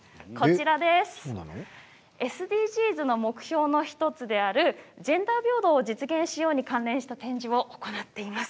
ＳＤＧｓの目標の１つであるジェンダー平等を実現しように関連した展示を行っています。